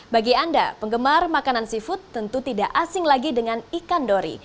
bagi anda penggemar makanan seafood tentu tidak asing lagi dengan ikan dori